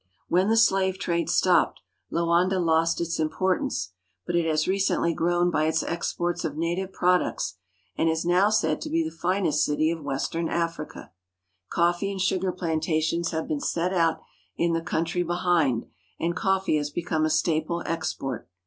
When the slave trade stopped, Loanda lost its impor tance, but it has recently grown by its exports of native products, and is now said to be the finest city of western Africa. Coffee and sugar plantations have been set out in the country behind, and coffee has become a staple export.